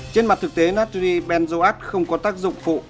trên mặt thực tế nazi benzoate không có tác dụng phụ